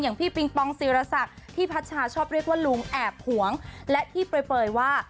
พี่ปิงปองศิรศักดิ์ที่พัชชาชอบเรียกว่าลุงแอบหวงและที่เปลยว่า